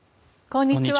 こんにちは。